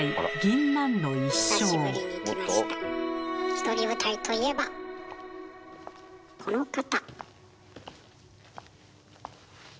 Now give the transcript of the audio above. ひとり舞台といえばこの方。